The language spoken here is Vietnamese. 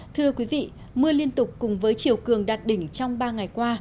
thưa quý vị mưa liên tục cùng với chiều cường đạt đỉnh trong ba ngày qua